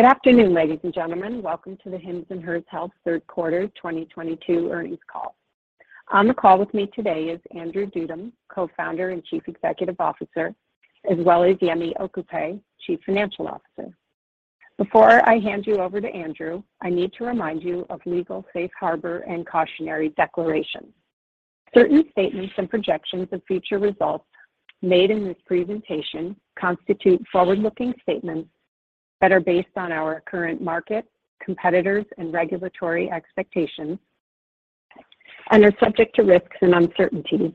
Good afternoon, ladies and gentlemen. Welcome to the Hims & Hers Health third quarter 2022 earnings call. On the call with me today is Andrew Dudum, co-founder and chief executive officer, as well as Yemi Okupe, chief financial officer. Before I hand you over to Andrew, I need to remind you of legal safe harbor and cautionary declarations. Certain statements and projections of future results made in this presentation constitute forward-looking statements that are based on our current market, competitors, and regulatory expectations, and are subject to risks and uncertainties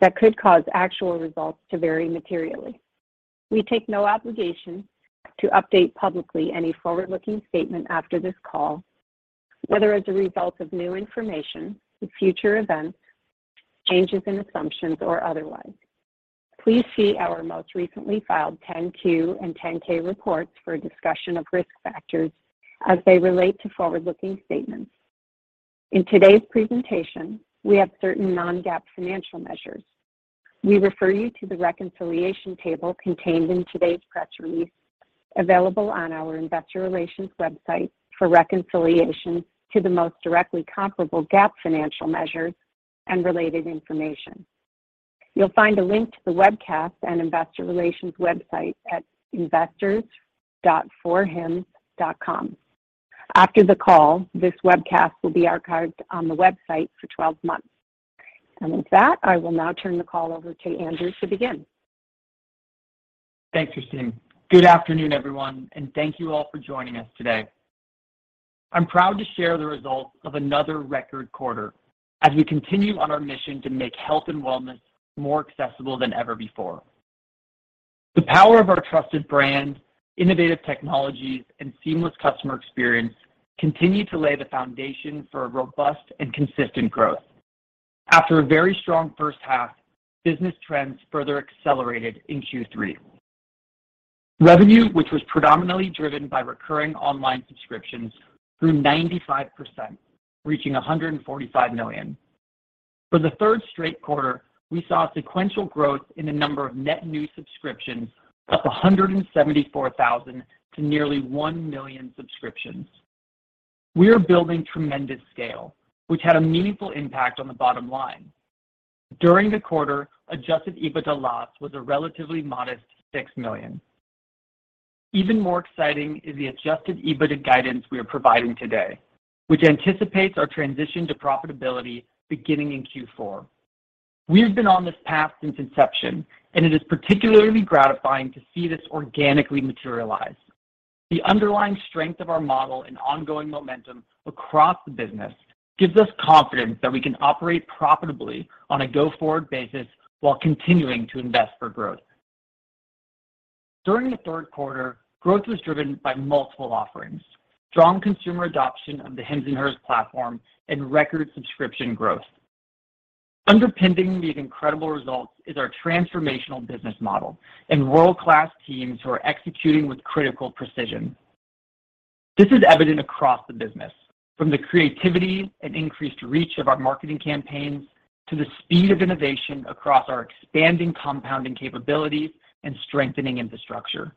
that could cause actual results to vary materially. We take no obligation to update publicly any forward-looking statement after this call, whether as a result of new information, future events, changes in assumptions, or otherwise. Please see our most recently filed 10-Q and 10-K reports for a discussion of risk factors as they relate to forward-looking statements. In today's presentation, we have certain non-GAAP financial measures. We refer you to the reconciliation table contained in today's press release, available on our investor relations website, for reconciliation to the most directly comparable GAAP financial measures and related information. You'll find a link to the webcast and investor relations website at investors.forhims.com. After the call, this webcast will be archived on the website for 12 months. With that, I will now turn the call over to Andrew to begin. Thanks, Christine. Good afternoon, everyone, and thank you all for joining us today. I'm proud to share the results of another record quarter as we continue on our mission to make health and wellness more accessible than ever before. The power of our trusted brand, innovative technologies, and seamless customer experience continue to lay the foundation for a robust and consistent growth. After a very strong first half, business trends further accelerated in Q3. Revenue, which was predominantly driven by recurring online subscriptions, grew 95%, reaching $145 million. For the third straight quarter, we saw sequential growth in the number of net new subscriptions, up 174,000 to nearly 1 million subscriptions. We are building tremendous scale, which had a meaningful impact on the bottom line. During the quarter, adjusted EBITDA loss was a relatively modest $6 million. Even more exciting is the adjusted EBITDA guidance we are providing today, which anticipates our transition to profitability beginning in Q4. We have been on this path since inception, and it is particularly gratifying to see this organically materialize. The underlying strength of our model and ongoing momentum across the business gives us confidence that we can operate profitably on a go-forward basis while continuing to invest for growth. During the third quarter, growth was driven by multiple offerings, strong consumer adoption of the Hims and Hers platform, and record subscription growth. Underpinning these incredible results is our transformational business model and world-class teams who are executing with critical precision. This is evident across the business, from the creativity and increased reach of our marketing campaigns, to the speed of innovation across our expanding compounding capabilities and strengthening infrastructure.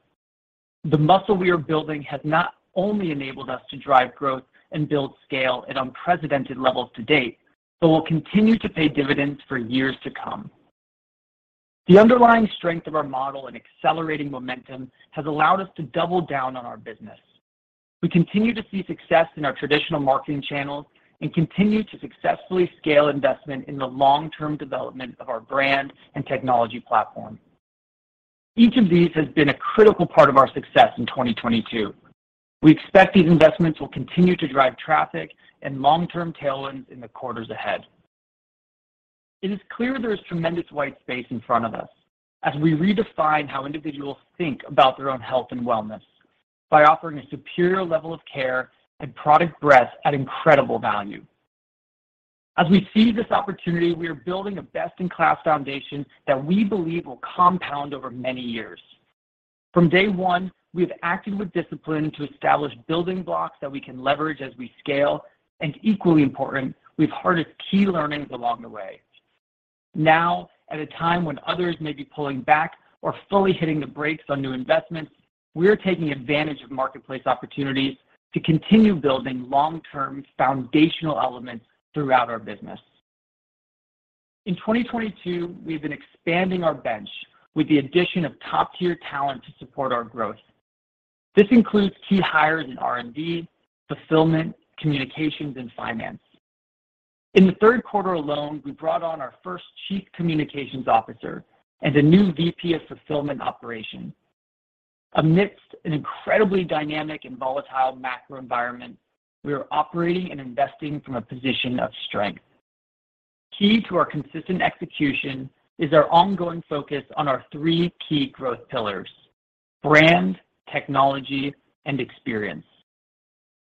The muscle we are building has not only enabled us to drive growth and build scale at unprecedented levels to date, but will continue to pay dividends for years to come. The underlying strength of our model and accelerating momentum has allowed us to double down on our business. We continue to see success in our traditional marketing channels and continue to successfully scale investment in the long-term development of our brand and technology platform. Each of these has been a critical part of our success in 2022. We expect these investments will continue to drive traffic and long-term tailwinds in the quarters ahead. It is clear there is tremendous white space in front of us as we redefine how individuals think about their own health and wellness by offering a superior level of care and product breadth at incredible value. As we seize this opportunity, we are building a best-in-class foundation that we believe will compound over many years. From day one, we have acted with discipline to establish building blocks that we can leverage as we scale, and equally important, we've harnessed key learnings along the way. Now, at a time when others may be pulling back or fully hitting the brakes on new investments, we are taking advantage of marketplace opportunities to continue building long-term foundational elements throughout our business. In 2022, we have been expanding our bench with the addition of top-tier talent to support our growth. This includes key hires in R&D, fulfillment, communications, and finance. In the third quarter alone, we brought on our first chief communications officer and a new VP of fulfillment operations. Amidst an incredibly dynamic and volatile macro environment, we are operating and investing from a position of strength. Key to our consistent execution is our ongoing focus on our three key growth pillars: brand, technology, and experience.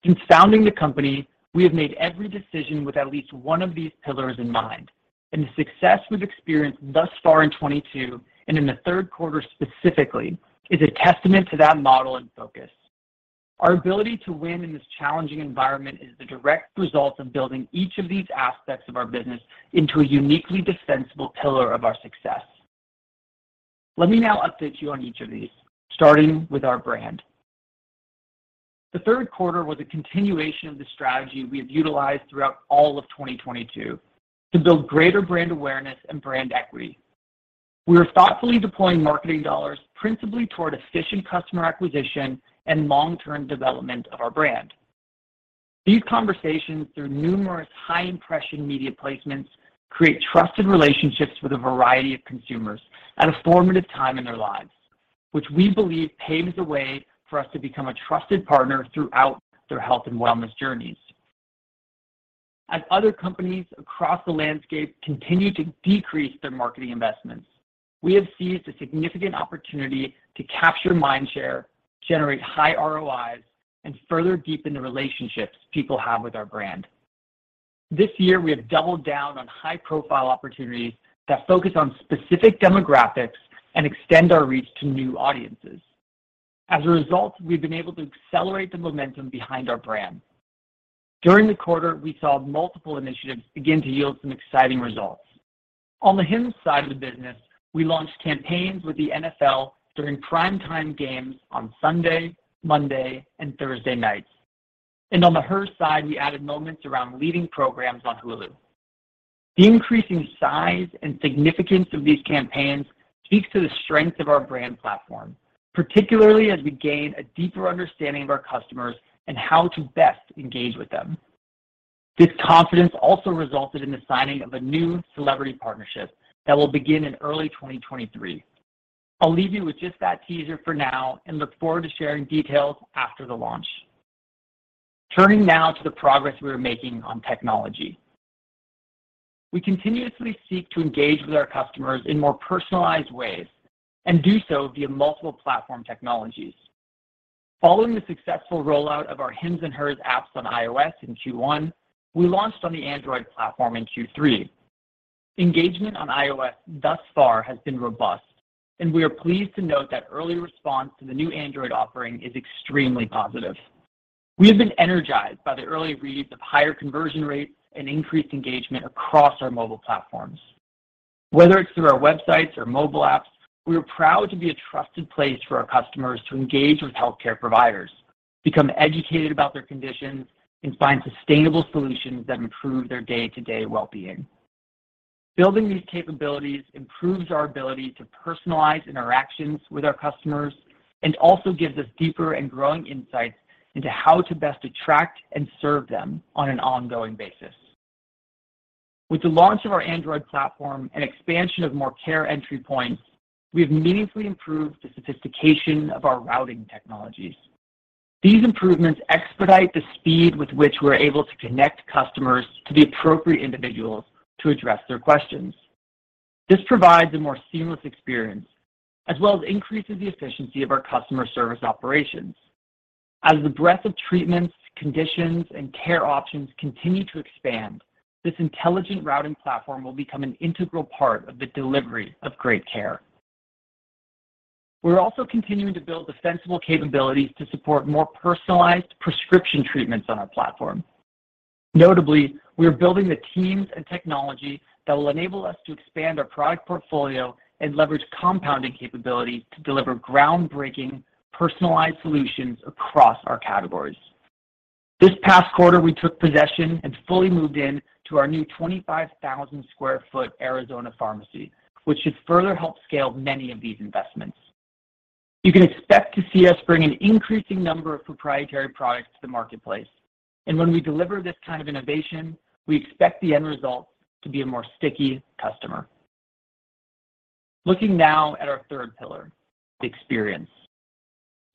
Since founding the company, we have made every decision with at least one of these pillars in mind, and the success we've experienced thus far in 2022, and in the third quarter specifically, is a testament to that model and focus. Our ability to win in this challenging environment is the direct result of building each of these aspects of our business into a uniquely defensible pillar of our success. Let me now update you on each of these, starting with our brand. The third quarter was a continuation of the strategy we have utilized throughout all of 2022 to build greater brand awareness and brand equity. We are thoughtfully deploying marketing dollars principally toward efficient customer acquisition and long-term development of our brand. These conversations, through numerous high impression media placements, create trusted relationships with a variety of consumers at a formative time in their lives, which we believe paves the way for us to become a trusted partner throughout their health and wellness journeys. As other companies across the landscape continue to decrease their marketing investments, we have seized a significant opportunity to capture mind share, generate high ROIs, and further deepen the relationships people have with our brand. This year, we have doubled down on high-profile opportunities that focus on specific demographics and extend our reach to new audiences. As a result, we've been able to accelerate the momentum behind our brand. During the quarter, we saw multiple initiatives begin to yield some exciting results. On the Hims side of the business, we launched campaigns with the NFL during primetime games on Sunday, Monday, and Thursday nights. On the Hers side, we added moments around leading programs on Hulu. The increasing size and significance of these campaigns speaks to the strength of our brand platform, particularly as we gain a deeper understanding of our customers and how to best engage with them. This confidence also resulted in the signing of a new celebrity partnership that will begin in early 2023. I'll leave you with just that teaser for now and look forward to sharing details after the launch. Turning now to the progress we are making on technology. We continuously seek to engage with our customers in more personalized ways and do so via multiple platform technologies. Following the successful rollout of our Hims and Hers apps on iOS in Q1, we launched on the Android platform in Q3. Engagement on iOS thus far has been robust, and we are pleased to note that early response to the new Android offering is extremely positive. We have been energized by the early reads of higher conversion rates and increased engagement across our mobile platforms. Whether it's through our websites or mobile apps, we are proud to be a trusted place for our customers to engage with healthcare providers, become educated about their conditions, and find sustainable solutions that improve their day-to-day wellbeing. Building these capabilities improves our ability to personalize interactions with our customers and also gives us deeper and growing insights into how to best attract and serve them on an ongoing basis. With the launch of our Android platform and expansion of more care entry points, we have meaningfully improved the sophistication of our routing technologies. These improvements expedite the speed with which we're able to connect customers to the appropriate individuals to address their questions. This provides a more seamless experience, as well as increases the efficiency of our customer service operations. As the breadth of treatments, conditions, and care options continue to expand, this intelligent routing platform will become an integral part of the delivery of great care. We're also continuing to build defensible capabilities to support more personalized prescription treatments on our platform. Notably, we are building the teams and technology that will enable us to expand our product portfolio and leverage compounding capabilities to deliver groundbreaking personalized solutions across our categories. This past quarter, we took possession and fully moved in to our new 25,000 sq ft Arizona pharmacy, which should further help scale many of these investments. You can expect to see us bring an increasing number of proprietary products to the marketplace. When we deliver this kind of innovation, we expect the end result to be a more sticky customer. Looking now at our third pillar, the experience.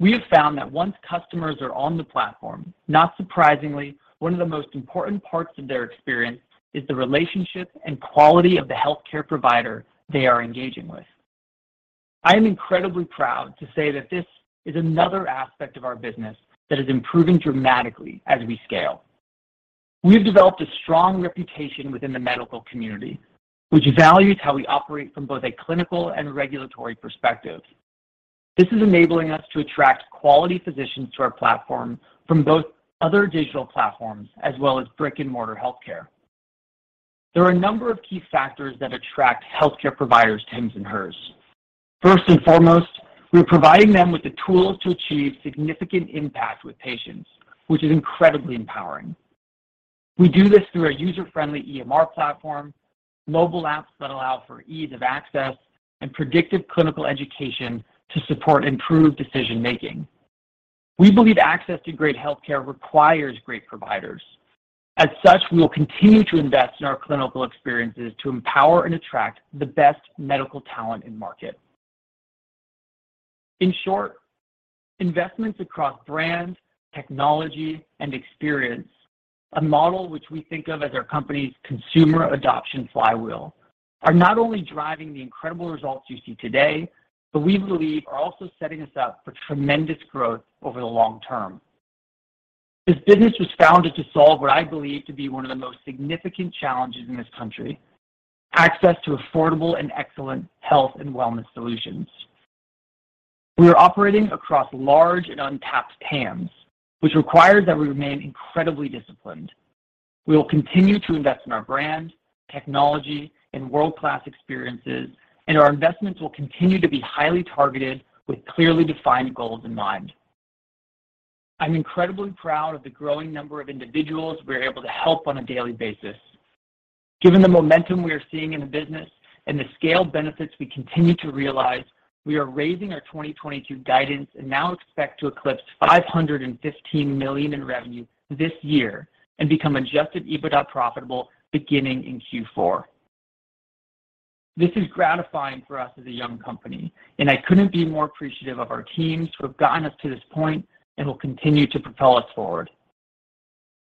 We have found that once customers are on the platform, not surprisingly, one of the most important parts of their experience is the relationship and quality of the healthcare provider they are engaging with. I am incredibly proud to say that this is another aspect of our business that is improving dramatically as we scale. We have developed a strong reputation within the medical community, which values how we operate from both a clinical and regulatory perspective. This is enabling us to attract quality physicians to our platform from both other digital platforms as well as brick-and-mortar healthcare. There are a number of key factors that attract healthcare providers to Hims & Hers. First and foremost, we are providing them with the tools to achieve significant impact with patients, which is incredibly empowering. We do this through our user-friendly EMR platform, mobile apps that allow for ease of access, and predictive clinical education to support improved decision-making. We believe access to great healthcare requires great providers. As such, we will continue to invest in our clinical experiences to empower and attract the best medical talent in-market. In short, investments across brand, technology, and experience, a model which we think of as our company's consumer adoption flywheel, are not only driving the incredible results you see today, but we believe are also setting us up for tremendous growth over the long term. This business was founded to solve what I believe to be one of the most significant challenges in this country, access to affordable and excellent health and wellness solutions. We are operating across large and untapped TAMs, which requires that we remain incredibly disciplined. We will continue to invest in our brand, technology, and world-class experiences, and our investments will continue to be highly targeted with clearly defined goals in mind. I'm incredibly proud of the growing number of individuals we're able to help on a daily basis. Given the momentum we are seeing in the business and the scale benefits we continue to realize, we are raising our 2022 guidance and now expect to eclipse $515 million in revenue this year and become adjusted EBITDA profitable beginning in Q4. This is gratifying for us as a young company, and I couldn't be more appreciative of our teams who have gotten us to this point and will continue to propel us forward.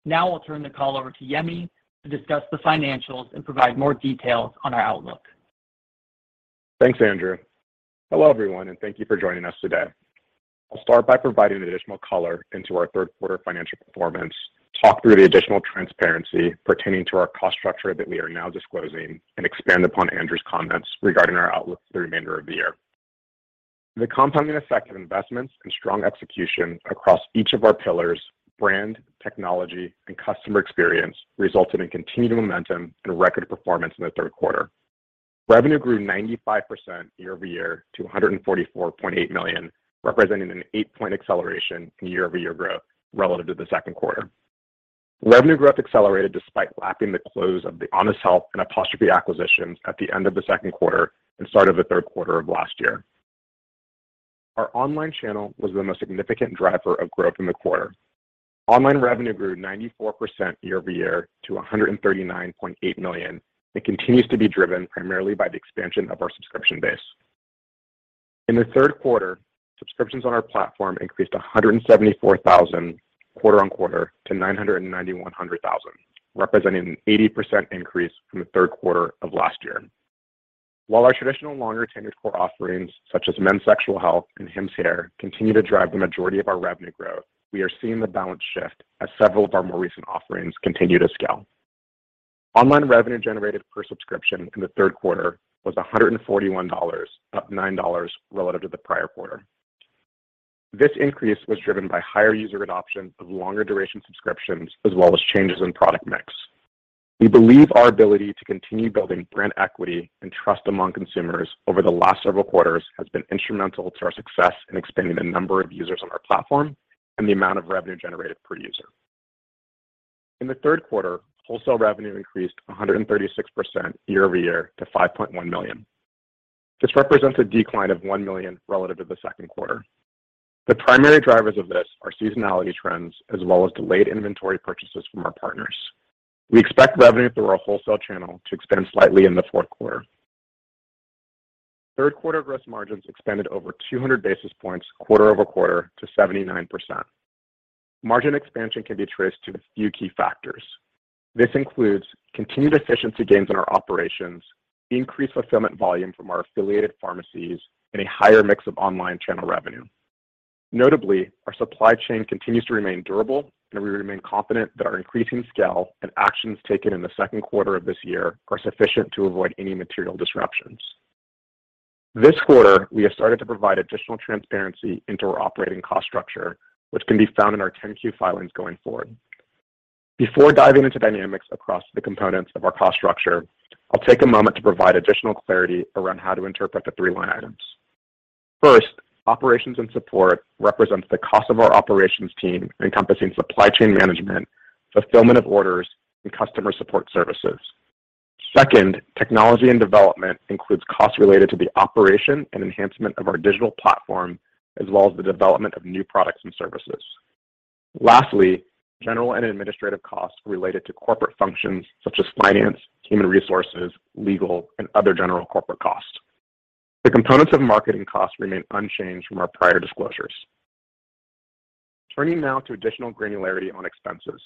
Now I'll turn the call over to Yemi to discuss the financials and provide more details on our outlook. Thanks, Andrew. Hello, everyone, and thank you for joining us today. I'll start by providing additional color into our third quarter financial performance, talk through the additional transparency pertaining to our cost structure that we are now disclosing, and expand upon Andrew's comments regarding our outlook for the remainder of the year. The compounding effect of investments and strong execution across each of our pillars, brand, technology, and customer experience, resulted in continued momentum and record performance in the third quarter. Revenue grew 95% year-over-year to $144.8 million, representing an eight-point acceleration in year-over-year growth relative to the second quarter. Revenue growth accelerated despite lacking the close of the Honest Health and Apostrophe acquisitions at the end of the second quarter and start of the third quarter of last year. Our online channel was the most significant driver of growth in the quarter. Online revenue grew 94% year-over-year to $139.8 million and continues to be driven primarily by the expansion of our subscription base. In the third quarter, subscriptions on our platform increased 174,000 quarter-on-quarter to 990,100, representing an 80% increase from the third quarter of last year. While our traditional longer-tenured core offerings, such as men's sexual health and Hims hair, continue to drive the majority of our revenue growth, we are seeing the balance shift as several of our more recent offerings continue to scale. Online revenue generated per subscription in the third quarter was $141, up $9 relative to the prior quarter. This increase was driven by higher user adoption of longer duration subscriptions, as well as changes in product mix. We believe our ability to continue building brand equity and trust among consumers over the last several quarters has been instrumental to our success in expanding the number of users on our platform and the amount of revenue generated per user. In the third quarter, wholesale revenue increased 136% year-over-year to $5.1 million. This represents a decline of $1 million relative to the second quarter. The primary drivers of this are seasonality trends as well as delayed inventory purchases from our partners. We expect revenue through our wholesale channel to expand slightly in the fourth quarter. Third quarter gross margins expanded over 200 basis points quarter-over-quarter to 79%. Margin expansion can be traced to a few key factors. This includes continued efficiency gains in our operations, increased fulfillment volume from our affiliated pharmacies, and a higher mix of online channel revenue. Notably, our supply chain continues to remain durable, and we remain confident that our increasing scale and actions taken in the second quarter of this year are sufficient to avoid any material disruptions. This quarter, we have started to provide additional transparency into our operating cost structure, which can be found in our 10-Q filings going forward. Before diving into dynamics across the components of our cost structure, I'll take a moment to provide additional clarity around how to interpret the three line items. First, operations and support represents the cost of our operations team, encompassing supply chain management, fulfillment of orders, and customer support services. Second, technology and development includes costs related to the operation and enhancement of our digital platform, as well as the development of new products and services. Lastly, general and administrative costs related to corporate functions such as finance, human resources, legal, and other general corporate costs. The components of marketing costs remain unchanged from our prior disclosures. Turning now to additional granularity on expenses.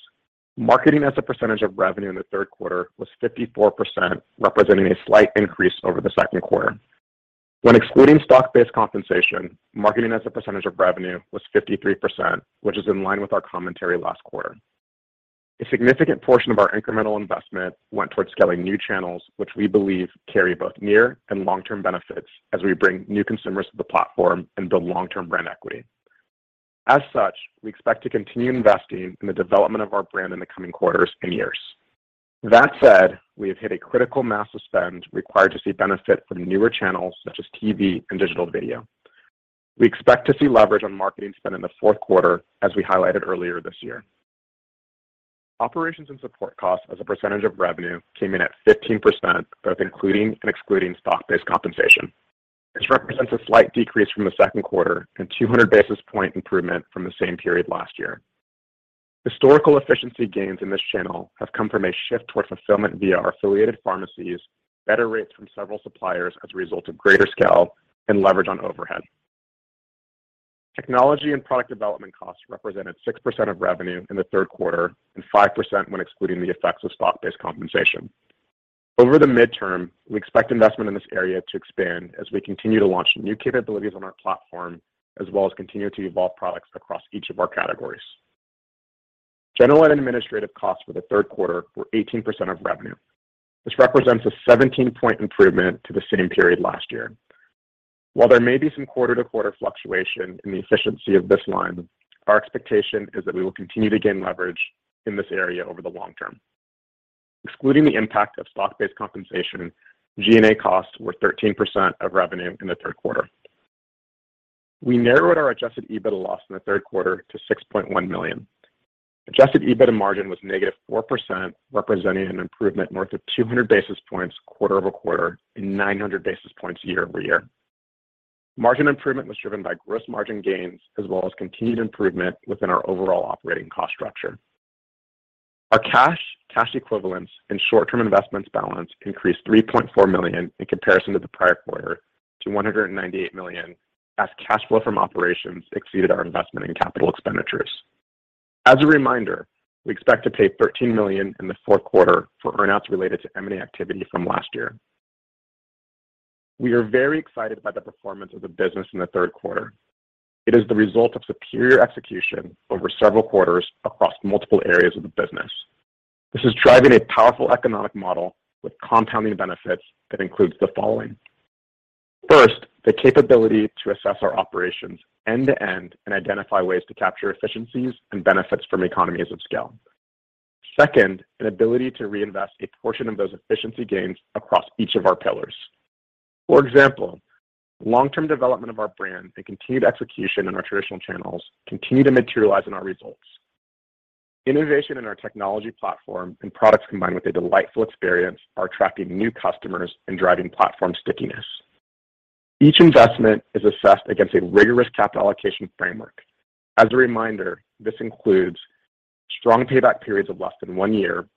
Marketing as a percentage of revenue in the third quarter was 54%, representing a slight increase over the second quarter. When excluding stock-based compensation, marketing as a percentage of revenue was 53%, which is in line with our commentary last quarter. A significant portion of our incremental investment went towards scaling new channels, which we believe carry both near and long-term benefits as we bring new consumers to the platform and build long-term brand equity. As such, we expect to continue investing in the development of our brand in the coming quarters and years. That said, we have hit a critical mass of spend required to see benefit from newer channels such as TV and digital video. We expect to see leverage on marketing spend in the fourth quarter, as we highlighted earlier this year. Operations and support costs as a percentage of revenue came in at 15%, both including and excluding stock-based compensation. This represents a slight decrease from the second quarter and 200 basis point improvement from the same period last year. Historical efficiency gains in this channel have come from a shift towards fulfillment via our affiliated pharmacies, better rates from several suppliers as a result of greater scale, and leverage on overhead. Technology and product development costs represented 6% of revenue in the third quarter and 5% when excluding the effects of stock-based compensation. Over the midterm, we expect investment in this area to expand as we continue to launch new capabilities on our platform, as well as continue to evolve products across each of our categories. General and administrative costs for the third quarter were 18% of revenue. This represents a 17-point improvement to the same period last year. While there may be some quarter-to-quarter fluctuation in the efficiency of this line, our expectation is that we will continue to gain leverage in this area over the long term. Excluding the impact of stock-based compensation, G&A costs were 13% of revenue in the third quarter. We narrowed our adjusted EBITDA loss in the third quarter to $6.1 million. Adjusted EBITDA margin was negative 4%, representing an improvement north of 200 basis points quarter-over-quarter and 900 basis points year-over-year. Margin improvement was driven by gross margin gains as well as continued improvement within our overall operating cost structure. Our cash equivalents, and short-term investments balance increased $3.4 million in comparison to the prior quarter to $198 million, as cash flow from operations exceeded our investment in capital expenditures. As a reminder, we expect to pay $13 million in the fourth quarter for earn-outs related to M&A activity from last year. We are very excited by the performance of the business in the third quarter. It is the result of superior execution over several quarters across multiple areas of the business. This is driving a powerful economic model with compounding benefits that includes the following. First, the capability to assess our operations end-to-end and identify ways to capture efficiencies and benefits from economies of scale. Second, an ability to reinvest a portion of those efficiency gains across each of our pillars. For example, long-term development of our brand and continued execution in our traditional channels continue to materialize in our results. Innovation in our technology platform and products, combined with a delightful experience, are attracting new customers and driving platform stickiness. Each investment is assessed against a rigorous capital allocation framework. As a reminder, this includes strong payback periods of less than one year,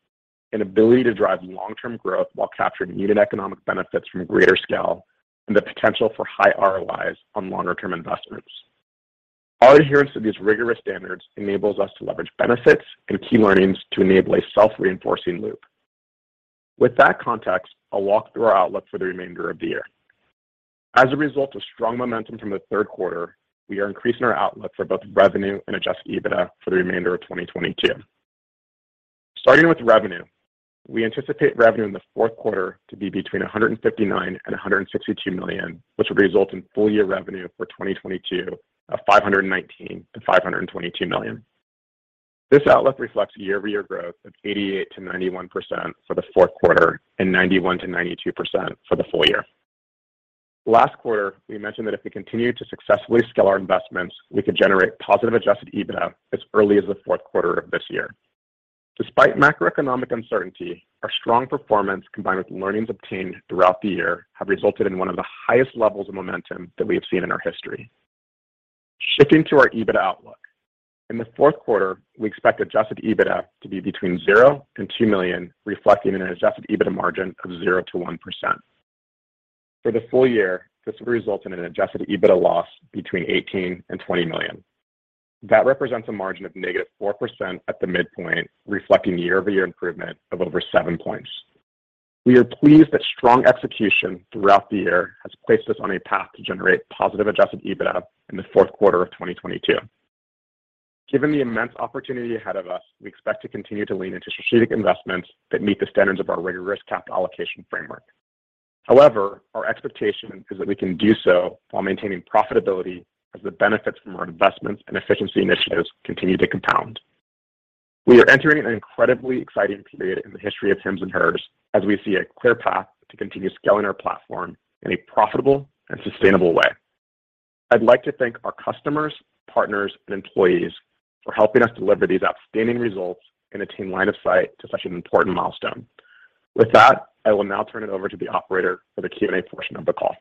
an ability to drive long-term growth while capturing unit economic benefits from greater scale, and the potential for high ROIs on longer-term investments. Our adherence to these rigorous standards enables us to leverage benefits and key learnings to enable a self-reinforcing loop. With that context, I'll walk through our outlook for the remainder of the year. As a result of strong momentum from the third quarter, we are increasing our outlook for both revenue and adjusted EBITDA for the remainder of 2022. Starting with revenue, we anticipate revenue in the fourth quarter to be between $159 million and $162 million, which will result in full-year revenue for 2022 of $519 million to $522 million. This outlook reflects year-over-year growth of 88%-91% for the fourth quarter and 91%-92% for the full year. Last quarter, we mentioned that if we continued to successfully scale our investments, we could generate positive adjusted EBITDA as early as the fourth quarter of this year. Despite macroeconomic uncertainty, our strong performance, combined with learnings obtained throughout the year, have resulted in one of the highest levels of momentum that we have seen in our history. Shifting to our EBITDA outlook, in the fourth quarter, we expect adjusted EBITDA to be between $0 and $2 million, reflecting an adjusted EBITDA margin of 0%-1%. For the full year, this will result in an adjusted EBITDA loss between $18 million and $20 million. That represents a margin of -4% at the midpoint, reflecting year-over-year improvement of over seven points. We are pleased that strong execution throughout the year has placed us on a path to generate positive adjusted EBITDA in the fourth quarter of 2022. Given the immense opportunity ahead of us, we expect to continue to lean into strategic investments that meet the standards of our rigorous capital allocation framework. Our expectation is that we can do so while maintaining profitability as the benefits from our investments and efficiency initiatives continue to compound. We are entering an incredibly exciting period in the history of Hims & Hers as we see a clear path to continue scaling our platform in a profitable and sustainable way. I'd like to thank our customers, partners, and employees for helping us deliver these outstanding results and attain line of sight to such an important milestone. I will now turn it over to the operator for the Q&A portion of the call.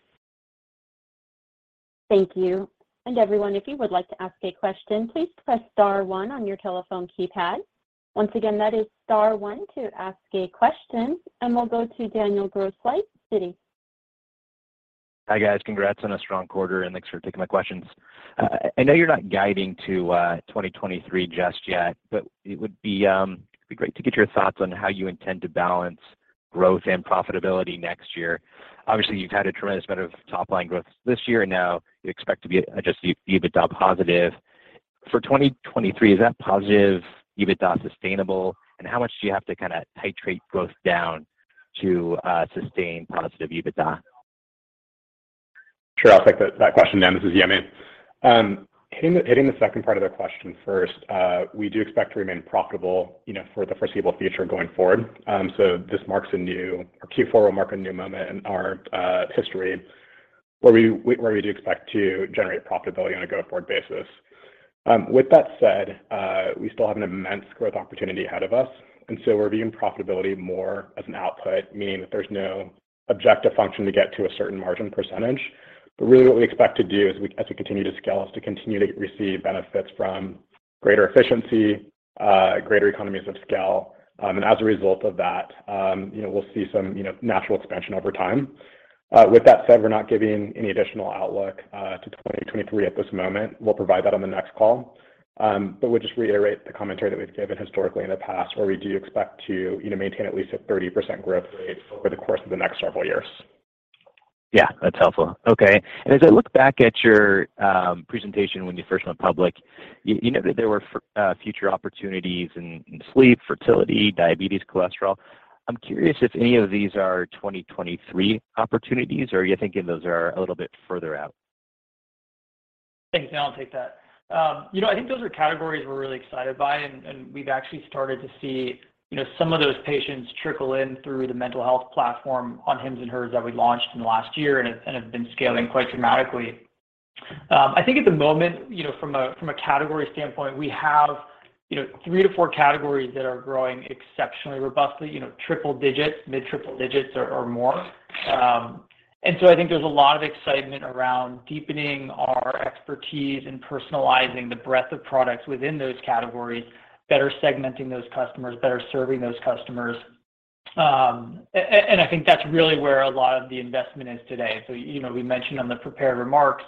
Thank you. Everyone, if you would like to ask a question, please press star one on your telephone keypad. Once again, that is star one to ask a question. We'll go to Daniel Grosslight, Citi. Hi, guys. Congrats on a strong quarter, thanks for taking my questions. I know you're not guiding to 2023 just yet, it would be great to get your thoughts on how you intend to balance growth and profitability next year. Obviously, you've had a tremendous amount of top-line growth this year, now you expect to be adjusted EBITDA positive. For 2023, is that positive EBITDA sustainable, how much do you have to titrate growth down to sustain positive EBITDA? Sure. I'll take that question, Dan. This is Yemi. Hitting the second part of the question first, we do expect to remain profitable for the foreseeable future going forward. Q4 will mark a new moment in our history where we do expect to generate profitability on a go-forward basis. With that said, we still have an immense growth opportunity ahead of us, we're viewing profitability more as an output, meaning that there's no objective function to get to a certain margin percentage. Really what we expect to do as we continue to scale is to continue to receive benefits from greater efficiency, greater economies of scale, as a result of that, we'll see some natural expansion over time. With that said, we're not giving any additional outlook to 2023 at this moment. We'll provide that on the next call. We'll just reiterate the commentary that we've given historically in the past where we do expect to maintain at least a 30% growth rate over the course of the next several years. Yeah, that's helpful. Okay. As I look back at your presentation when you first went public, you noted there were future opportunities in sleep, fertility, diabetes, cholesterol. I'm curious if any of these are 2023 opportunities, are you thinking those are a little bit further out? Thanks. I'll take that. I think those are categories we're really excited by. We've actually started to see some of those patients trickle in through the mental health platform on Hims & Hers that we launched in the last year and have been scaling quite dramatically. I think at the moment, from a category standpoint, we have 3 to 4 categories that are growing exceptionally robustly, triple digits, mid-triple digits or more. I think there's a lot of excitement around deepening our expertise and personalizing the breadth of products within those categories, better segmenting those customers, better serving those customers. I think that's really where a lot of the investment is today. We mentioned on the prepared remarks,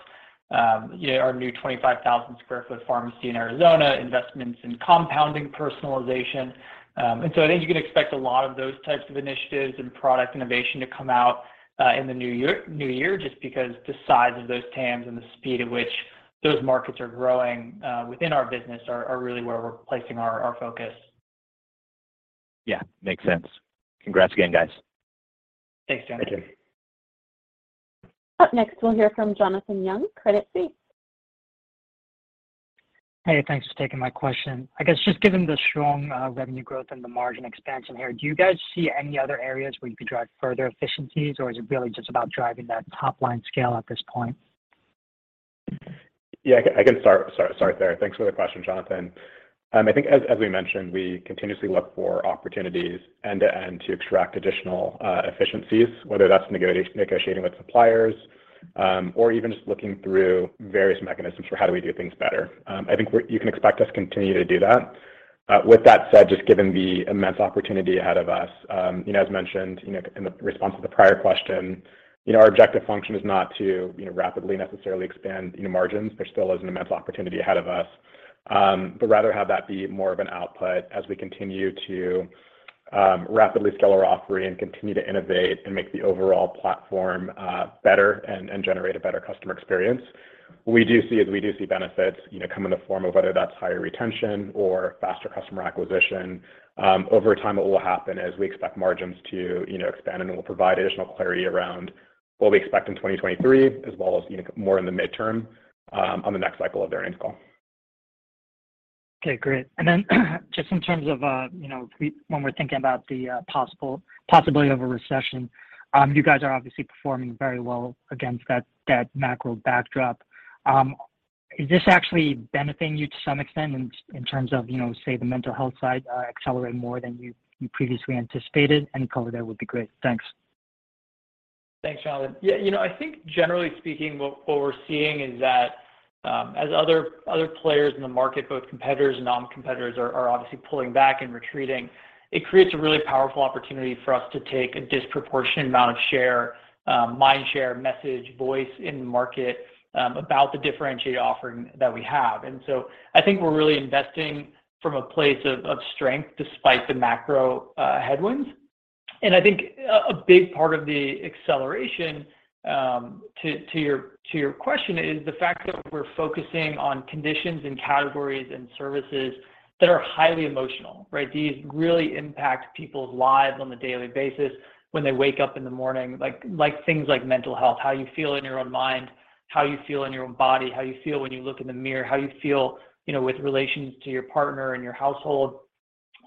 our new 25,000 sq ft pharmacy in Arizona, investments in compounding personalization. I think you can expect a lot of those types of initiatives and product innovation to come out in the new year, just because the size of those TAMs and the speed at which those markets are growing within our business are really where we're placing our focus. Makes sense. Congrats again, guys. Thank you. Up next, we'll hear from Jonathan Young, Credit Suisse. Hey, thanks for taking my question. I guess just given the strong revenue growth and the margin expansion here, do you guys see any other areas where you could drive further efficiencies, or is it really just about driving that top-line scale at this point? Yeah, I can start there. Thanks for the question, Jonathan. I think as we mentioned, we continuously look for opportunities end-to-end to extract additional efficiencies, whether that's negotiating with suppliers or even just looking through various mechanisms for how do we do things better. I think you can expect us to continue to do that. With that said, just given the immense opportunity ahead of us, as mentioned in the response to the prior question, our objective function is not to rapidly necessarily expand margins. There still is an immense opportunity ahead of us. Rather have that be more of an output as we continue to rapidly scale our offering and continue to innovate and make the overall platform better and generate a better customer experience. We do see benefits come in the form of whether that's higher retention or faster customer acquisition. Over time, what will happen is we expect margins to expand. We'll provide additional clarity around what we expect in 2023 as well as more in the midterm on the next cycle of the earnings call. Okay, great. Just in terms of when we're thinking about the possibility of a recession, you guys are obviously performing very well against that macro backdrop. Is this actually benefiting you to some extent in terms of, say, the mental health side accelerating more than you previously anticipated? Any color there would be great. Thanks. Thanks, Jonathan. I think generally speaking, what we're seeing is that as other players in the market, both competitors and non-competitors, are obviously pulling back and retreating, it creates a really powerful opportunity for us to take a disproportionate amount of share, mind share, message, voice in the market about the differentiated offering that we have. I think we're really investing from a place of strength despite the macro headwinds. I think a big part of the acceleration, to your question, is the fact that we're focusing on conditions and categories and services that are highly emotional, right? These really impact people's lives on a daily basis when they wake up in the morning. Things like mental health, how you feel in your own mind, how you feel in your own body, how you feel when you look in the mirror, how you feel with relation to your partner and your household.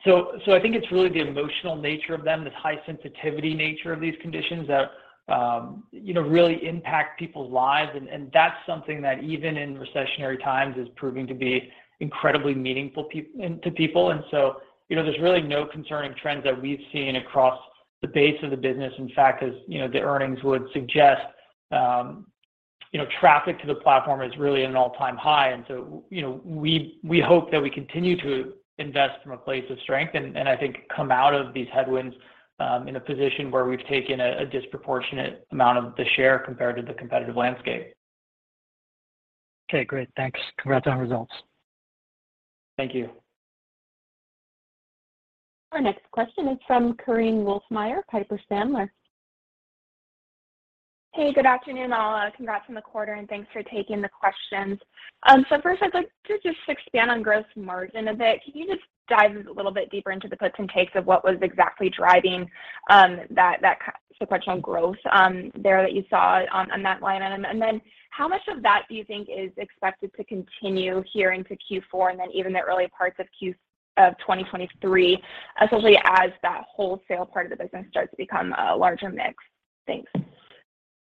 I think it's really the emotional nature of them, this high sensitivity nature of these conditions that really impact people's lives. That's something that even in recessionary times is proving to be incredibly meaningful to people. There's really no concerning trends that we've seen across the base of the business. In fact, as the earnings would suggest, traffic to the platform is really at an all-time high. We hope that we continue to invest from a place of strength and I think come out of these headwinds in a position where we've taken a disproportionate amount of the share compared to the competitive landscape. Okay, great. Thanks. Congrats on the results. Thank you. Our next question is from Korinne Wolfmeyer, Piper Sandler. Hey, good afternoon, all. Congrats on the quarter, and thanks for taking the questions. First, I'd like to just expand on gross margin a bit. Can you just dive a little bit deeper into the puts and takes of what was exactly driving that sequential growth there that you saw on that line item? How much of that do you think is expected to continue here into Q4 and then even the early parts of 2023, especially as that wholesale part of the business starts to become a larger mix? Thanks.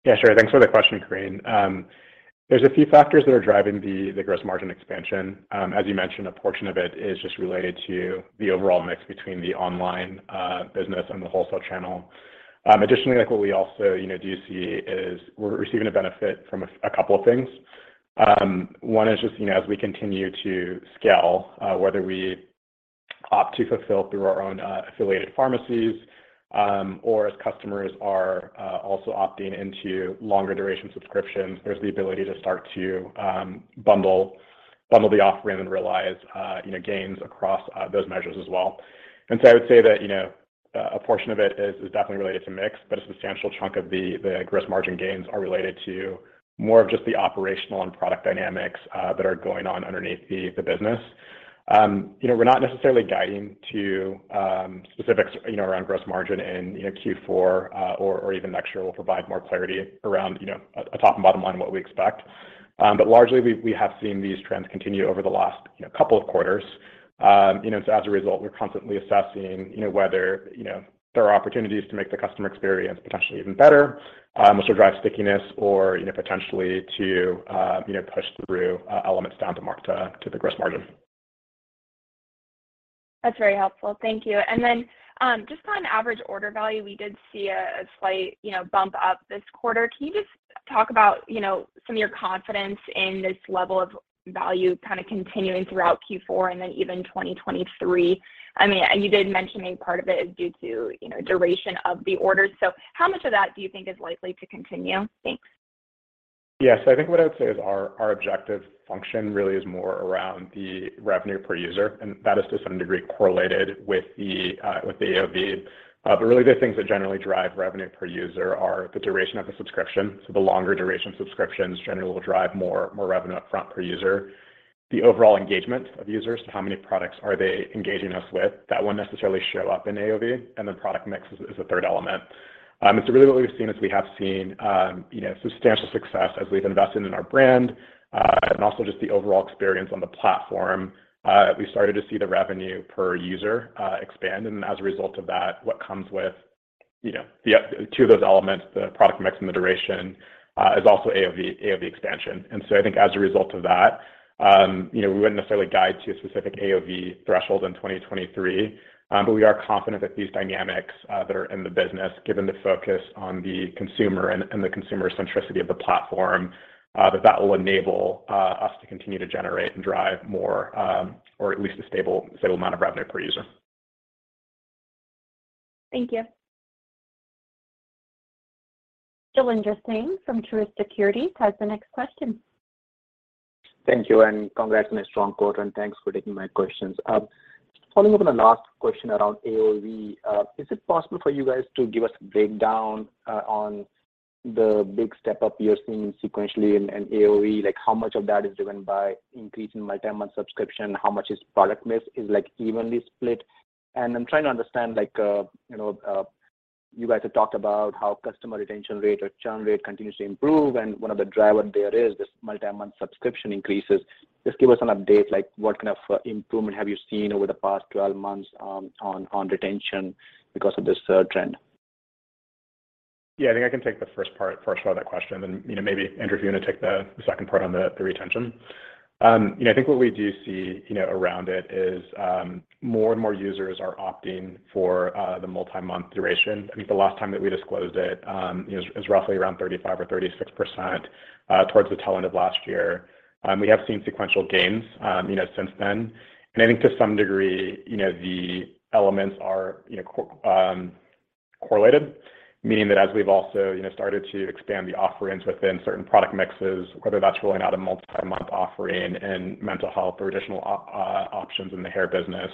Yeah, sure. Thanks for the question, Korinne. There's a few factors that are driving the gross margin expansion. As you mentioned, a portion of it is just related to the overall mix between the online business and the wholesale channel. Additionally, what we also do see is we're receiving a benefit from a couple of things. One is just as we continue to scale, whether we opt to fulfill through our own affiliated pharmacies or as customers are also opting into longer duration subscriptions, there's the ability to start to bundle the offering and realize gains across those measures as well. I would say that a portion of it is definitely related to mix, but a substantial chunk of the gross margin gains are related to more of just the operational and product dynamics that are going on underneath the business. We're not necessarily guiding to specifics around gross margin in Q4 or even next year we'll provide more clarity around a top and bottom line of what we expect. Largely, we have seen these trends continue over the last couple of quarters. As a result, we're constantly assessing whether there are opportunities to make the customer experience potentially even better, which will drive stickiness or potentially to push through elements down to the gross margin. That's very helpful. Thank you. Just on average order value, we did see a slight bump up this quarter. Can you just talk about some of your confidence in this level of value continuing throughout Q4 and then even 2023? You did mention a part of it is due to duration of the orders. How much of that do you think is likely to continue? Thanks. Yeah. I think what I would say is our objective function really is more around the revenue per user, and that is to some degree correlated with the AOV. Really, the things that generally drive revenue per user are the duration of the subscription. The longer duration subscriptions generally will drive more revenue upfront per user. The overall engagement of users, how many products are they engaging us with, that won't necessarily show up in AOV. Product mix is the third element. Really what we've seen is we have seen substantial success as we've invested in our brand, and also just the overall experience on the platform. We've started to see the revenue per user expand, and as a result of that, what comes with two of those elements, the product mix and the duration, is also AOV expansion. I think as a result of that, we wouldn't necessarily guide to a specific AOV threshold in 2023. We are confident that these dynamics that are in the business, given the focus on the consumer and the consumer centricity of the platform, that that will enable us to continue to generate and drive more, or at least a stable amount of revenue per user. Thank you. Jailendra Singh from Truist Securities has the next question. Thank you, and congrats on a strong quarter, and thanks for taking my questions. Following up on the last question around AOV, is it possible for you guys to give us a breakdown on the big step up you're seeing sequentially in AOV? How much of that is driven by increasing multi-month subscription? How much is product mix? Is it evenly split? I'm trying to understand, you guys have talked about how customer retention rate or churn rate continues to improve, and one of the driver there is this multi-month subscription increases. Just give us an update, what kind of improvement have you seen over the past 12 months on retention because of this trend? Yeah, I think I can take the first part of that question, then maybe Andrew's going to take the second part on the retention. I think what we do see around it is more and more users are opting for the multi-month duration. I think the last time that we disclosed it is roughly around 35% or 36% towards the tail end of last year. We have seen sequential gains since then. I think to some degree, the elements are correlated, meaning that as we've also started to expand the offerings within certain product mixes, whether that's rolling out a multi-month offering in mental health or additional options in the hair business,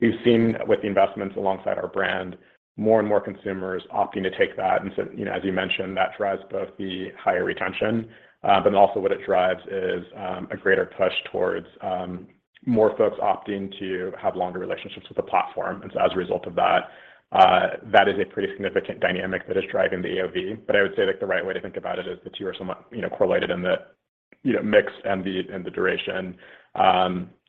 we've seen with the investments alongside our brand, more and more consumers opting to take that. As you mentioned, that drives both the higher retention, but also what it drives is a greater push towards more folks opting to have longer relationships with the platform. As a result of that is a pretty significant dynamic that is driving the AOV. I would say the right way to think about it is the two are somewhat correlated in the mix and the duration.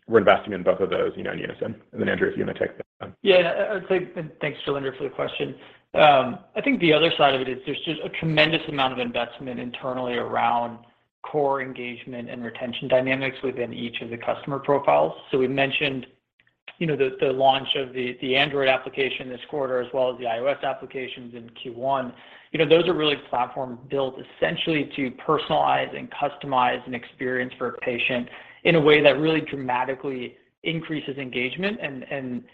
We're investing in both of those in unison. Andrew, if you want to take the- Yeah. Thanks, Jailendra, for the question. I think the other side of it is there's just a tremendous amount of investment internally around core engagement and retention dynamics within each of the customer profiles. We mentioned the launch of the Android application this quarter, as well as the iOS applications in Q1. Those are really platforms built essentially to personalize and customize an experience for a patient in a way that really dramatically increases engagement and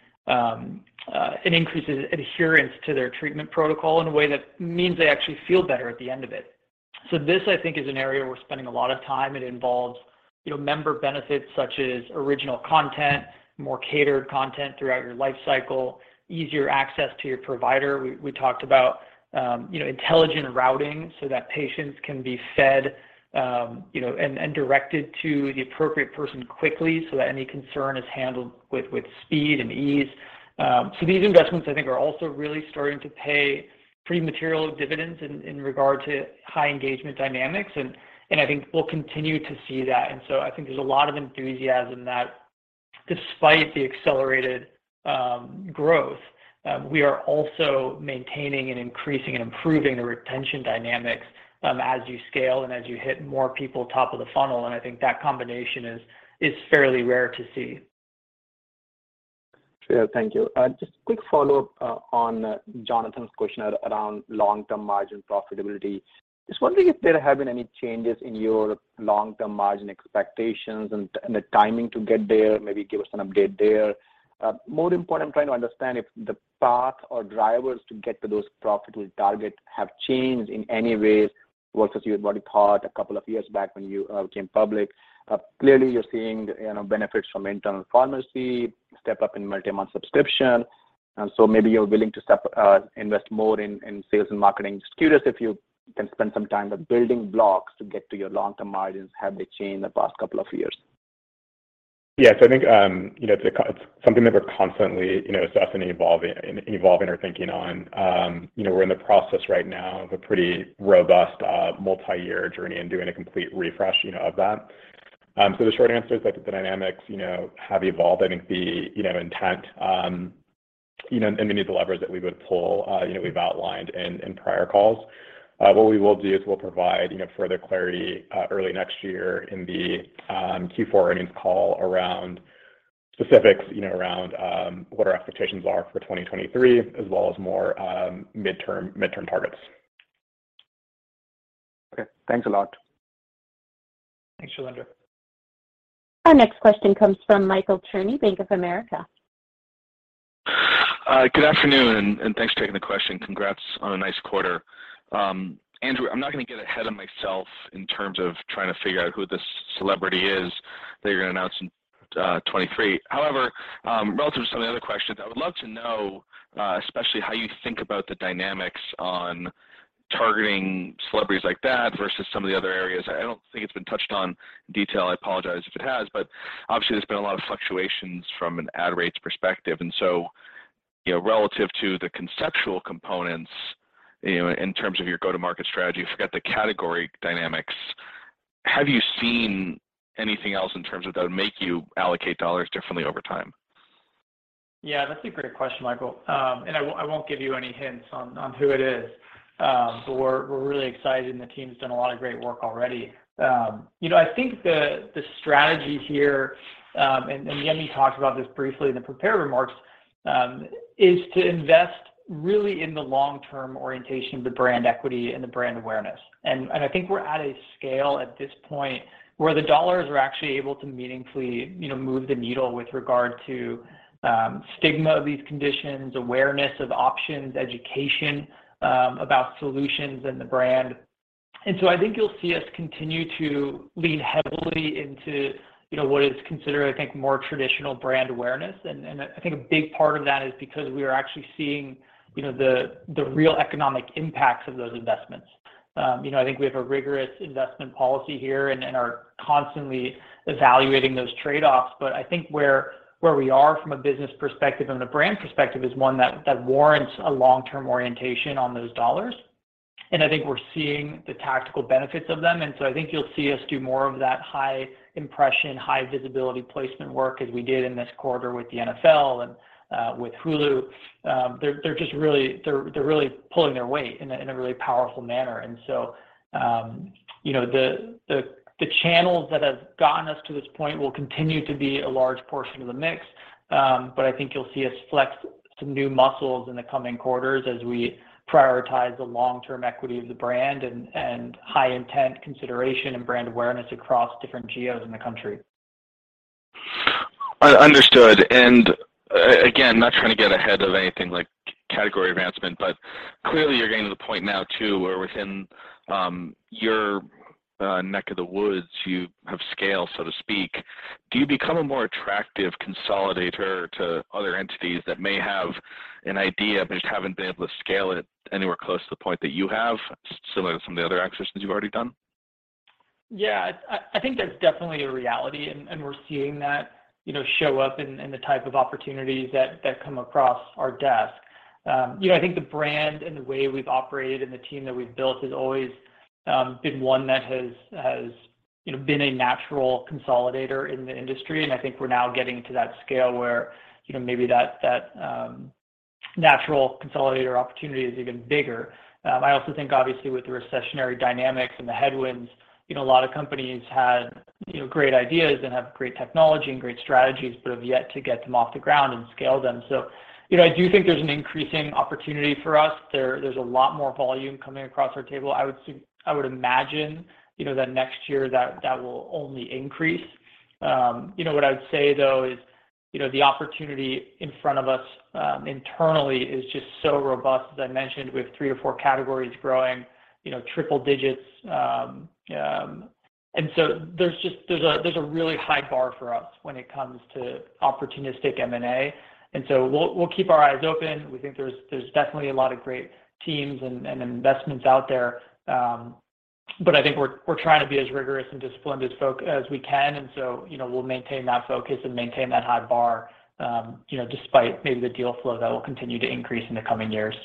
increases adherence to their treatment protocol in a way that means they actually feel better at the end of it. This, I think, is an area we're spending a lot of time. It involves member benefits such as original content, more catered content throughout your life cycle, easier access to your provider. We talked about intelligent routing so that patients can be fed and directed to the appropriate person quickly so that any concern is handled with speed and ease. These investments, I think, are also really starting to pay pretty material dividends in regard to high engagement dynamics. I think we'll continue to see that. I think there's a lot of enthusiasm that despite the accelerated growth, we are also maintaining and increasing and improving the retention dynamics as you scale and as you hit more people top of the funnel, and I think that combination is fairly rare to see. Sure. Thank you. Just a quick follow-up on Jonathan's question around long-term margin profitability. Just wondering if there have been any changes in your long-term margin expectations and the timing to get there. Maybe give us an update there. More important, I'm trying to understand if the path or drivers to get to those profitable targets have changed in any ways versus what you thought a couple of years back when you became public. Clearly, you're seeing benefits from internal pharmacy, step up in multi-month subscription. Maybe you're willing to invest more in sales and marketing. Just curious if you can spend some time on building blocks to get to your long-term margins. Have they changed in the past couple of years? Yeah. I think it's something that we're constantly assessing and evolving our thinking on. We're in the process right now of a pretty robust, multi-year journey and doing a complete refresh of that. The short answer is that the dynamics have evolved. I think the intent and many of the levers that we would pull, we've outlined in prior calls. What we will do is we'll provide further clarity early next year in the Q4 earnings call around specifics, around what our expectations are for 2023, as well as more midterm targets. Okay. Thanks a lot. Thanks, Jailendra. Our next question comes from Michael Cherny, Bank of America. Good afternoon, and thanks for taking the question. Congrats on a nice quarter. Andrew, I'm not going to get ahead of myself in terms of trying to figure out who this celebrity is that you're going to announce in 2023. Relative to some of the other questions, I would love to know especially how you think about the dynamics on targeting celebrities like that versus some of the other areas. I don't think it's been touched on in detail, I apologize if it has, but obviously there's been a lot of fluctuations from an ad rates perspective. Relative to the conceptual components in terms of your go-to-market strategy, forget the category dynamics, have you seen anything else in terms of that would make you allocate dollars differently over time? Yeah, that's a great question, Michael. I won't give you any hints on who it is. We're really excited, and the team's done a lot of great work already. I think the strategy here, and Yemi talked about this briefly in the prepared remarks, is to invest really in the long-term orientation of the brand equity and the brand awareness. I think we're at a scale at this point where the dollars are actually able to meaningfully move the needle with regard to stigma of these conditions, awareness of options, education about solutions and the brand. I think you'll see us continue to lean heavily into what is considered, I think, more traditional brand awareness. I think a big part of that is because we are actually seeing the real economic impacts of those investments. I think we have a rigorous investment policy here and are constantly evaluating those trade-offs, I think where we are from a business perspective and a brand perspective is one that warrants a long-term orientation on those dollars. I think we're seeing the tactical benefits of them. I think you'll see us do more of that high impression, high visibility placement work as we did in this quarter with the NFL and with Hulu. They're really pulling their weight in a really powerful manner. The channels that have gotten us to this point will continue to be a large portion of the mix. I think you'll see us flex some new muscles in the coming quarters as we prioritize the long-term equity of the brand and high intent consideration and brand awareness across different geos in the country. Understood. Again, not trying to get ahead of anything like category advancement, but clearly you're getting to the point now, too, where within your neck of the woods, you have scale, so to speak. Do you become a more attractive consolidator to other entities that may have an idea, but just haven't been able to scale it anywhere close to the point that you have, similar to some of the other exercises you've already done? Yeah. I think that's definitely a reality, we're seeing that show up in the type of opportunities that come across our desk. I think the brand and the way we've operated and the team that we've built has always been one that has been a natural consolidator in the industry, I think we're now getting to that scale where maybe that natural consolidator opportunity is even bigger. I also think, obviously, with the recessionary dynamics and the headwinds, a lot of companies had great ideas and have great technology and great strategies, but have yet to get them off the ground and scale them. I do think there's an increasing opportunity for us. There's a lot more volume coming across our table. I would imagine that next year that will only increase. What I would say, though, is the opportunity in front of us internally is just so robust. As I mentioned, we have 3 or 4 categories growing triple digits. There's a really high bar for us when it comes to opportunistic M&A. We'll keep our eyes open. We think there's definitely a lot of great teams and investments out there. I think we're trying to be as rigorous and disciplined as we can. We'll maintain that focus and maintain that high bar despite maybe the deal flow that will continue to increase in the coming years.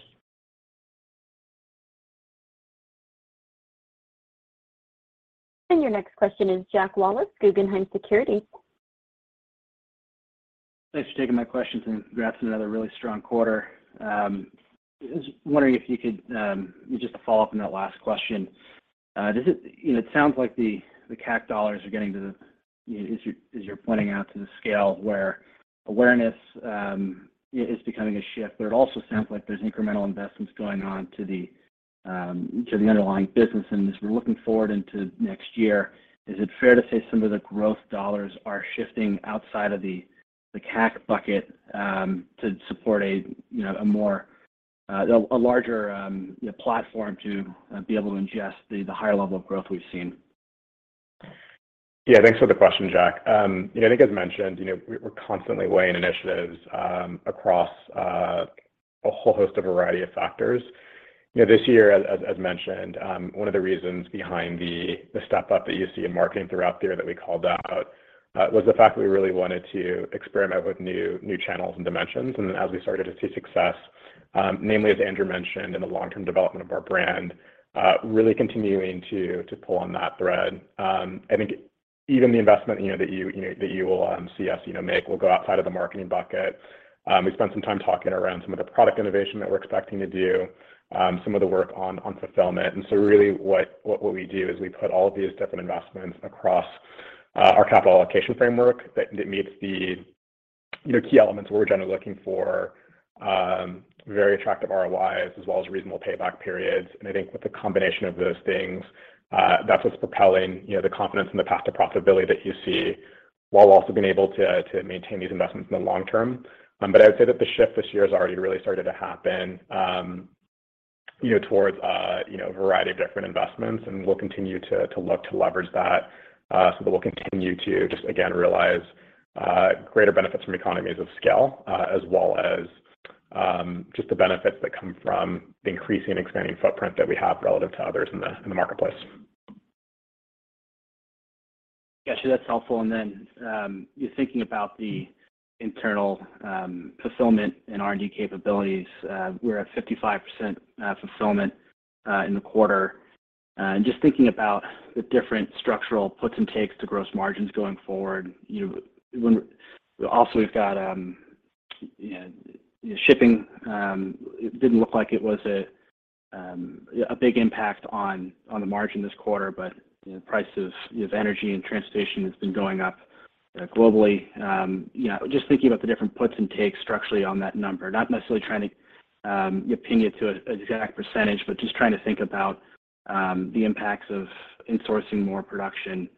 Your next question is Jack Wallace, Guggenheim Securities. Thanks for taking my questions and congrats on another really strong quarter. I was wondering if you could just follow up on that last question. It sounds like the CAC dollars are getting to the, as you're pointing out, to the scale where awareness is becoming a shift, but it also sounds like there's incremental investments going on to the underlying business. As we're looking forward into next year, is it fair to say some of the growth dollars are shifting outside of the CAC bucket to support a larger platform to be able to ingest the higher level of growth we've seen? Yeah, thanks for the question, Jack. I think as mentioned, we're constantly weighing initiatives across a whole host of variety of factors. This year, as mentioned, one of the reasons behind the step up that you see in marketing throughout the year that we called out was the fact that we really wanted to experiment with new channels and dimensions. As we started to see success, namely, as Andrew mentioned, in the long-term development of our brand, really continuing to pull on that thread. I think even the investment that you will see us make will go outside of the marketing bucket. We spent some time talking around some of the product innovation that we're expecting to do, some of the work on fulfillment. Really what we do is we put all of these different investments across our capital allocation framework that meets the key elements we're generally looking for, very attractive ROIs, as well as reasonable payback periods. I think with the combination of those things, that's what's propelling the confidence in the path to profitability that you see, while also being able to maintain these investments in the long term. I would say that the shift this year has already really started to happen towards a variety of different investments, and we'll continue to look to leverage that. We'll continue to just, again, realize greater benefits from economies of scale, as well as just the benefits that come from the increasing and expanding footprint that we have relative to others in the marketplace. Got you. That's helpful. Just thinking about the internal fulfillment and R&D capabilities, we're at 55% fulfillment in the quarter. Just thinking about the different structural puts and takes to gross margins going forward, also we've got shipping. It didn't look like it was a big impact on the margin this quarter, but prices with energy and transportation has been going up globally. Just thinking about the different puts and takes structurally on that number, not necessarily trying to pin it to an exact percentage, but just trying to think about the impacts of insourcing more production,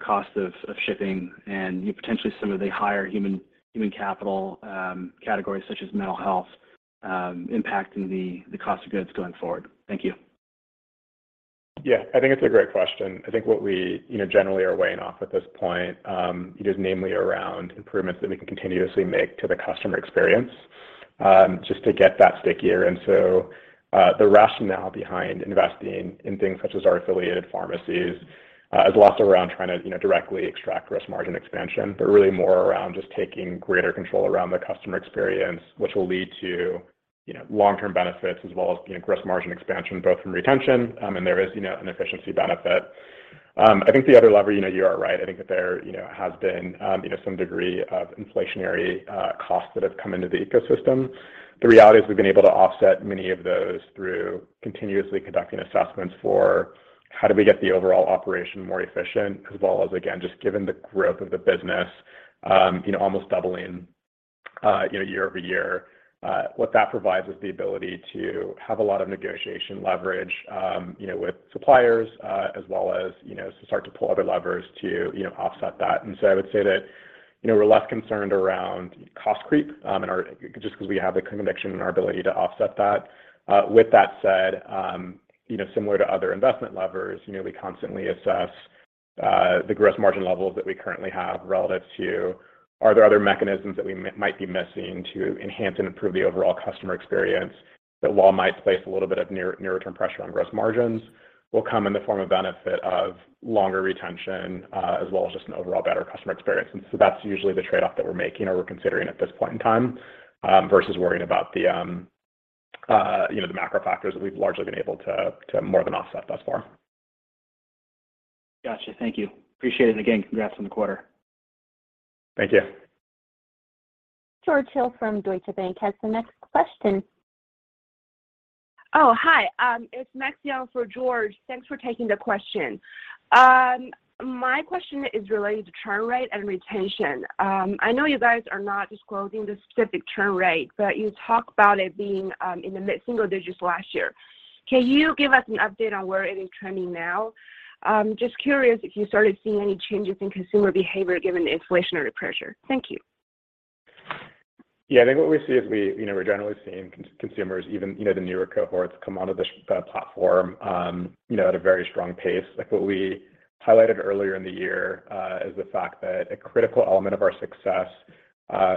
cost of shipping, and potentially some of the higher human capital categories such as mental health impacting the cost of goods going forward. Thank you. Yeah, I think it's a great question. I think what we generally are weighing off at this point is namely around improvements that we can continuously make to the customer experience, just to get that stickier. The rationale behind investing in things such as our affiliated pharmacies is less around trying to directly extract gross margin expansion, but really more around just taking greater control around the customer experience, which will lead to long-term benefits as well as gross margin expansion, both from retention, and there is an efficiency benefit. I think the other lever, you are right, I think that there has been some degree of inflationary costs that have come into the ecosystem. The reality is we've been able to offset many of those through continuously conducting assessments for how do we get the overall operation more efficient, as well as, again, just given the growth of the business almost doubling year-over-year. What that provides is the ability to have a lot of negotiation leverage with suppliers, as well as to start to pull other levers to offset that. I would say that we're less concerned around cost creep just because we have the conviction in our ability to offset that. With that said, similar to other investment levers, we constantly assess the gross margin levels that we currently have relative to are there other mechanisms that we might be missing to enhance and improve the overall customer experience that while might place a little bit of near-term pressure on gross margins, will come in the form of benefit of longer retention, as well as just an overall better customer experience. That's usually the trade-off that we're making or we're considering at this point in time, versus worrying about the macro factors that we've largely been able to more than offset thus far. Got you. Thank you. Appreciate it. Again, congrats on the quarter. Thank you. George Hill from Deutsche Bank has the next question. Hi. It's Maxine for George. Thanks for taking the question. My question is related to churn rate and retention. I know you guys are not disclosing the specific churn rate, but you talk about it being in the mid single digits last year. Can you give us an update on where it is trending now? Just curious if you started seeing any changes in consumer behavior given the inflationary pressure. Thank you. Yeah, I think what we see is we're generally seeing consumers, even the newer cohorts, come onto the platform at a very strong pace. What we highlighted earlier in the year is the fact that a critical element of our success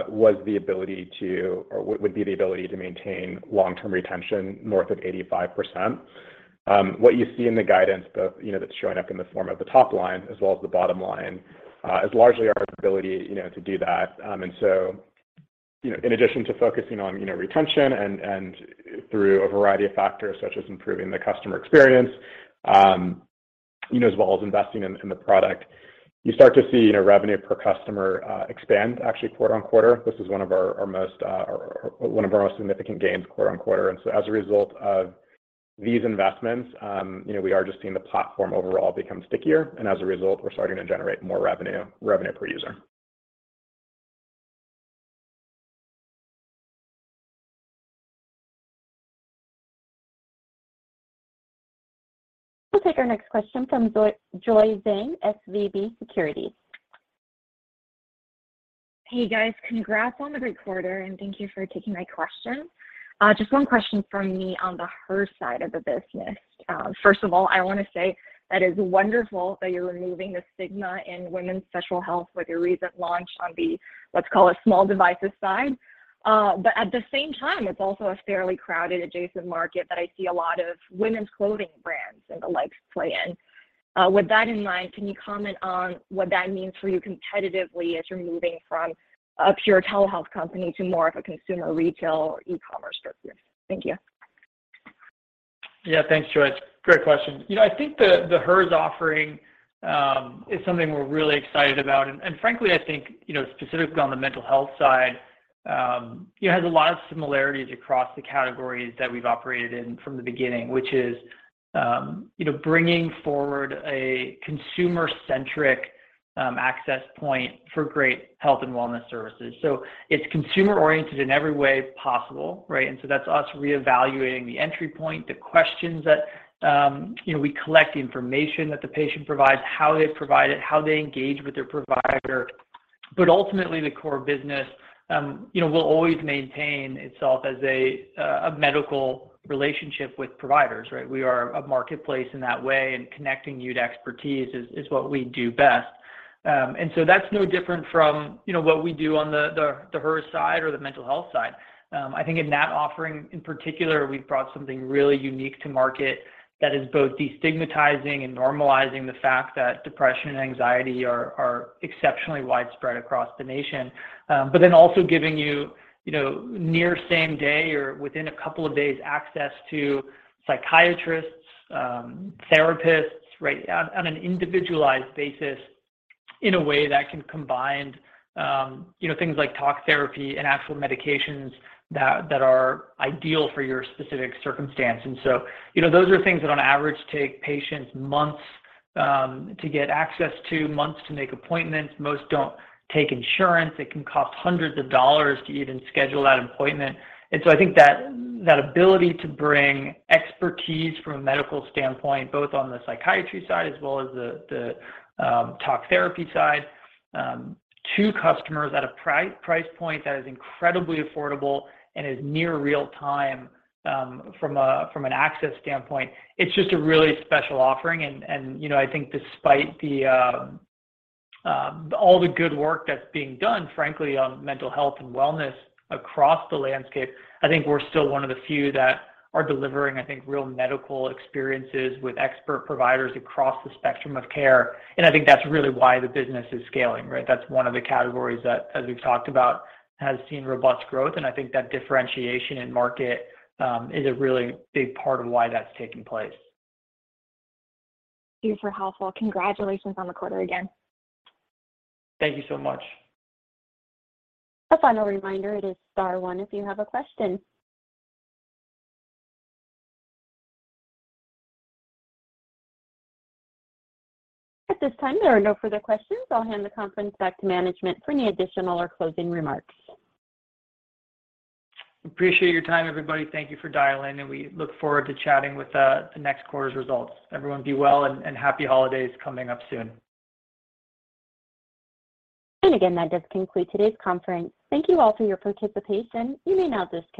would be the ability to maintain long-term retention north of 85%. What you see in the guidance that's showing up in the form of the top line as well as the bottom line is largely our ability to do that. In addition to focusing on retention and through a variety of factors such as improving the customer experience, as well as investing in the product, you start to see revenue per customer expand actually quarter-on-quarter. This is one of our most significant gains quarter-on-quarter. As a result of these investments, we are just seeing the platform overall become stickier, and as a result, we are starting to generate more revenue per user. We will take our next question from Joy Zhang, SVB Securities. Hey, guys. Congrats on the great quarter. Thank you for taking my question. Just one question from me on the Hers side of the business. First of all, I want to say that it is wonderful that you are removing the stigma in women's sexual health with your recent launch on the, let's call it, small devices side. At the same time, it is also a fairly crowded adjacent market that I see a lot of women's clothing brands and the like play in. With that in mind, can you comment on what that means for you competitively as you are moving from a pure telehealth company to more of a consumer retail e-commerce structure? Thank you. Thanks, Joy. Great question. I think the Hers offering is something we are really excited about and, frankly, I think, specifically on the mental health side, it has a lot of similarities across the categories that we have operated in from the beginning, which is bringing forward a consumer-centric access point for great health and wellness services. It is consumer-oriented in every way possible, right? That is us reevaluating the entry point, the questions that we collect, the information that the patient provides, how they provide it, how they engage with their provider. Ultimately, the core business will always maintain itself as a medical relationship with providers, right? We are a marketplace in that way, and connecting you to expertise is what we do best. That is no different from what we do on the Hers side or the mental health side. I think in that offering in particular, we've brought something really unique to market that is both de-stigmatizing and normalizing the fact that depression and anxiety are exceptionally widespread across the nation. Also giving you near same-day or within a couple of days access to psychiatrists, therapists on an individualized basis in a way that can combine things like talk therapy and actual medications that are ideal for your specific circumstance. Those are things that on average take patients months to get access to, months to make appointments. Most don't take insurance. It can cost hundreds of dollars to even schedule that appointment. I think that ability to bring expertise from a medical standpoint, both on the psychiatry side as well as the talk therapy side, to customers at a price point that is incredibly affordable and is near real-time from an access standpoint, it's just a really special offering. I think despite all the good work that's being done, frankly, on mental health and wellness across the landscape, I think we're still one of the few that are delivering, I think, real medical experiences with expert providers across the spectrum of care. I think that's really why the business is scaling, right? That's one of the categories that, as we've talked about, has seen robust growth, and I think that differentiation in market is a really big part of why that's taking place. Super helpful. Congratulations on the quarter again. Thank you so much. A final reminder, it is star one if you have a question. At this time, there are no further questions. I'll hand the conference back to management for any additional or closing remarks. Appreciate your time, everybody. Thank you for dialing in. We look forward to chatting with the next quarter's results. Everyone be well, and happy holidays coming up soon. Again, that does conclude today's conference. Thank you all for your participation. You may now disconnect.